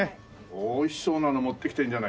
美味しそうなの持ってきてんじゃない。